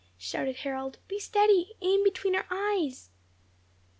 shouted Harold, "be steady! Aim between her eyes!"